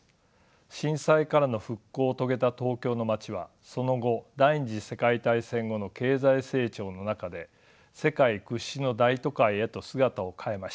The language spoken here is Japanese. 震災からの復興を遂げた東京の街はその後第２次世界大戦後の経済成長の中で世界屈指の大都会へと姿を変えました。